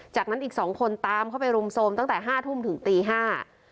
จากนั้นอีกสองคนตามเข้าไปรุมโทรมตั้งแต่ห้าทุ่มถึงตีห้า